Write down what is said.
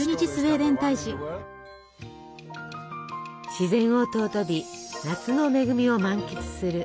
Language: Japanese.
自然を尊び夏の恵みを満喫する。